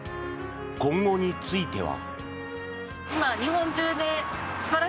今後については。